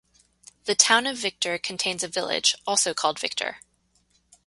The Town of Victor contains a village, also called Victor.